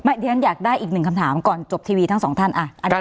เดี๋ยวฉันอยากได้อีกหนึ่งคำถามก่อนจบทีวีทั้งสองท่าน